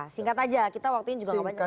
singkat saja kita waktunya juga tidak banyak mas